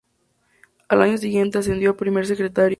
Al año siguiente ascendió a primer secretario.